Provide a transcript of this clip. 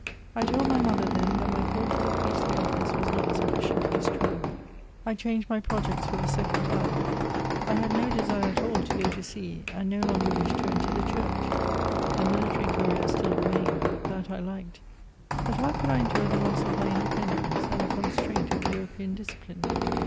I told my mother, then, that my call to the priestly office was not sufficiently strong. I changed my projects for the second time. I had no desire at all to go to sea ; and no longer wished to enter the church. The military career still remained ; that I liked ; but how could I endure the loss of my independence, and the constraint of European discipline?